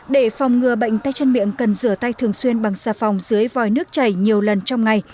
để phòng ngừa bệnh tay chân miệng cần rửa tay thường xuyên bằng xà phòng dưới vòi nước chảy nhiều lần trong ngày